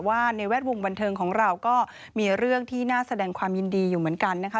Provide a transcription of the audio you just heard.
ในแวดวงบันเทิงของเราก็มีเรื่องที่น่าแสดงความยินดีอยู่เหมือนกันนะคะ